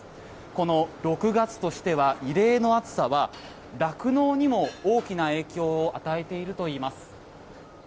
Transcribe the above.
この６月としては異例の暑さは酪農にも大きな影響を与えているといいます。